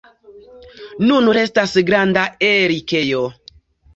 Nun restas granda erikejo.